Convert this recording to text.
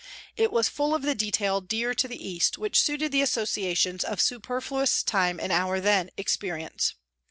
It was full of the detail dear to the East, which suited the associations of superfluous time in our then experience.